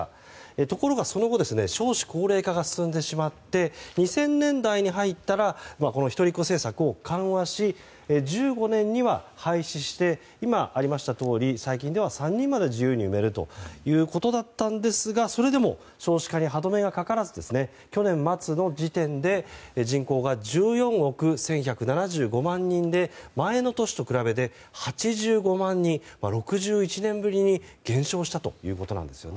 ところが、その後少子高齢化が進んでしまって２０００年代に入ったら一人っ子政策を緩和し、１５年には廃止して今ありましたとおり最近では３人まで自由に生めるということだったんですがそれでも少子化に歯止めがかからず去年末の時点で人口が１４億１１７５万人で前の年と比べて８５万人６１年ぶりに減少したということです。